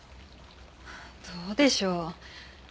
どうでしょう？